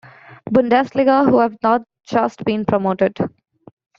Bundesliga who have not just been promoted.